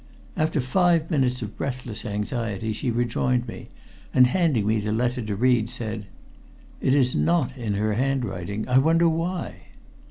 After five minutes of breathless anxiety she rejoined me, and handing me the letter to read, said: "It is not in her handwriting I wonder why?"